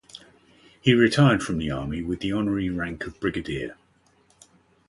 He retired from the army with the honorary rank of Brigadier.